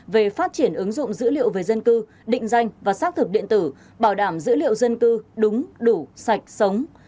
về phát triển ứng dụng dữ liệu về dân cư định danh và xác thực điện tử bảo đảm dữ liệu dân cư đúng đủ sạch sống